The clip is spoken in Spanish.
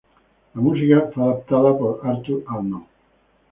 La música fue adaptada por Arthur Altman.